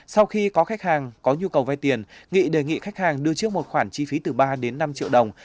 sau khi có khách hàng có nhu cầu vay tiền nghị đề nghị khách hàng đưa trước một khoản chi phí từ ba đến năm triệu đồng